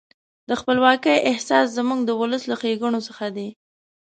د خپلواکۍ احساس زموږ د ولس له ښېګڼو څخه دی.